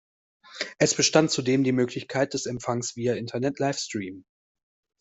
Es bestand zudem die Möglichkeit des Empfangs via Internet-Livestream.